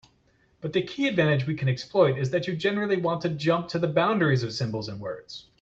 But the key advantage we can exploit is that you generally want to jump to the boundaries of symbols and words.